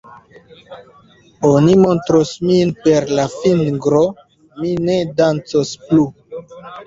Oni montros min per la fingro; mi ne dancos plu.